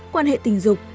quan hệ tình dục